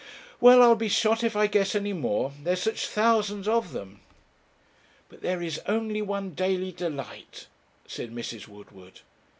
'Well, I'll be shot if I guess any more there are such thousands of them.' 'But there is only one Daily Delight,' said Mrs. Woodward.